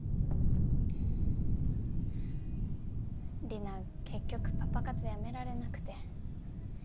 リナ結局パパ活やめられなくて。